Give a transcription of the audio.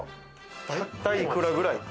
大体幾らぐらい？